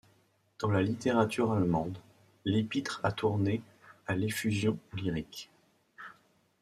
Dans la littérature allemande, l’épître a tourné à l’effusion lyrique.